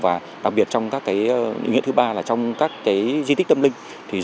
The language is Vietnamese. và đặc biệt trong các ý nghĩa thứ ba là trong các di tích tâm linh